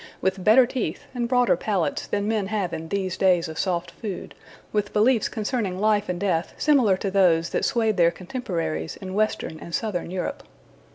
with better teeth and broader palates than men have in these days of soft food, with beliefs concerning life and death similar to those that swayed their contemporaries in Western and Southern Europe.